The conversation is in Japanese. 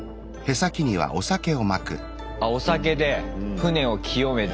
お酒で船を清めて。